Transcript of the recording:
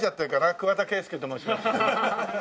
桑田佳祐と申します。